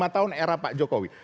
lima tahun era pak jokowi